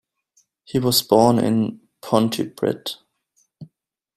He was born in Pontypridd.